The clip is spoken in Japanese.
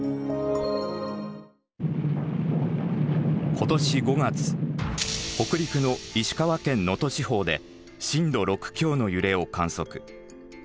今年５月北陸の石川県能登地方で震度６強の揺れを観測。